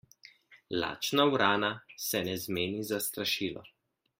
Lačna vrana se ne zmeni za strašilo.